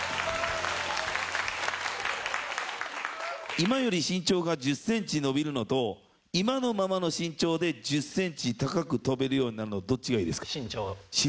今より身長が１０ｃｍ伸びるのと今のままの身長で１０ｃｍ高く跳べるようになるのどっちがいいですか？